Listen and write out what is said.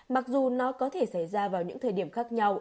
mặc dù nó có thể xảy ra vào những thời điểm khác nhau